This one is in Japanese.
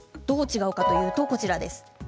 どう違うかというとこちらです。